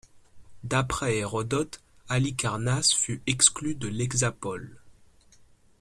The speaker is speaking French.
D'après Hérodote, Halicarnasse fut exclue de l'Hexapole.